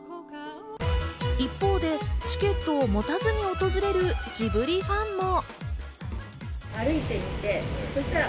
一方でチケットを持たずに訪れるジブリファンも。